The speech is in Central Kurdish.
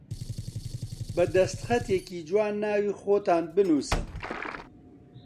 بە دەستخەتێکی جوان ناوی خۆتان بنووسن